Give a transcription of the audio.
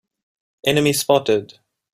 Enemy spotted!